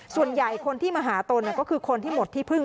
ส่วนใหญ่คนที่มาหาตนก็คือคนที่หมดที่พึ่ง